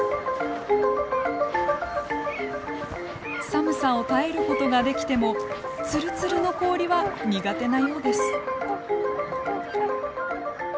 寒さを耐えることができてもツルツルの氷は苦手なようです。